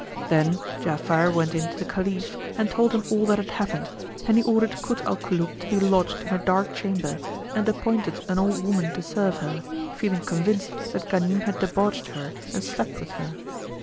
Then Ja'afar went in to the Caliph and told him all that had happened, and he ordered Kut al Kulub to be lodged in a dark chamber and appointed an old women to serve her, feeling convinced that Ghanim had debauched her and slept with her.